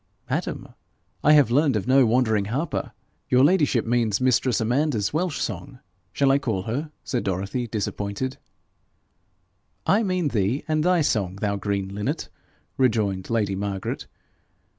'Madam, I have learned of no wandering harper: your ladyship means mistress Amanda's Welsh song! shall I call her?' said Dorothy, disappointed. 'I mean thee, and thy song, thou green linnet!' rejoined lady Margaret.